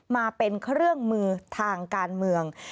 มาเป็นเครื่องมือทางการเมือง